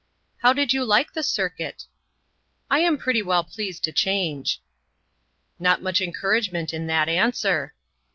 "How did you like the circuit?" "I am very well pleased to change." "Not much encouragement in that answer."